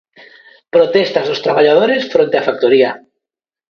Protestas dos traballadores fronte á factoría.